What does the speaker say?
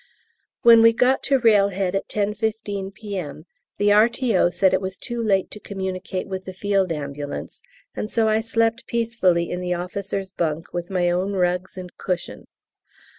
When we got to railhead at 10.15 P.M. the R.T.O. said it was too late to communicate with the Field Ambulance, and so I slept peacefully in the officer's bunk with my own rugs and cushion.